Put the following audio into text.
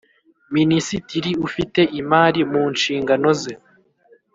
Minisitiri ufite imari mu nshingano ze